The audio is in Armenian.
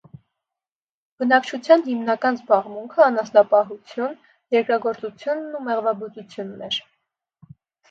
Բնակչության հիմնական զբաղմունքը անասնապահությւոն, երկրագործությունն ու մեղվաբուծությունն էր։